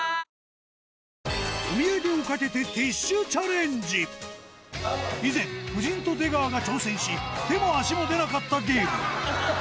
お土産を懸けて以前夫人と出川が挑戦し手も足も出なかったゲーム